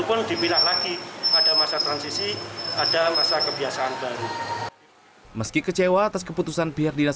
pun dipilah lagi ada masa transisi ada masa kebiasaan baru meski kecewa atas keputusan pihak dinas